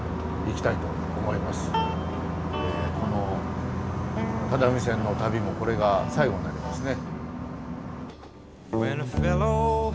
この只見線の旅もこれが最後になりますね。